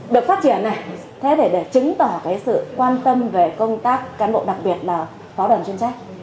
được phát triển này thế để chứng tỏ sự quan tâm về công tác cán bộ đặc biệt là phó đoàn chuyên trách